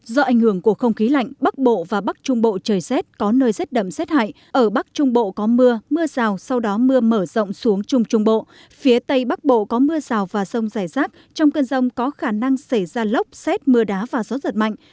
do ảnh hưởng của không khí lạnh bắc bộ và bắc trung bộ trời rét có nơi rét đậm rét hại ở bắc trung bộ có mưa mưa rào sau đó mưa mở rộng xuống trung trung bộ phía tây bắc bộ có mưa rào và rông rải rác trong cơn rông có khả năng xảy ra lốc xét mưa đá và gió giật mạnh